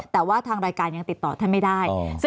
แต่ว่าทางรายการยังติดต่อท่านไม่ได้